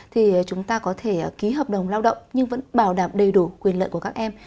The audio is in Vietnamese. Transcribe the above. thì chúng ta có thể ký hợp đồng lao động nhưng vẫn bảo đảm đầy đủ quyền lợi của các em